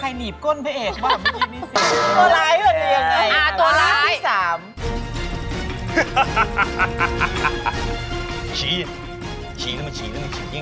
ใครหนีบก้นไปเอกว่าพวกมันใช่มิซิ